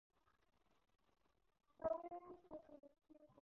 ځکه تا ویل چې کوچ او کابینه یوه جوړه ده